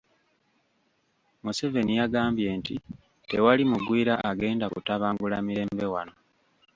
Museveni yagambye nti tewali mugwira agenda kutabangula mirembe wano.